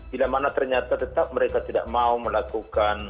bila mana ternyata tetap mereka tidak mau melakukan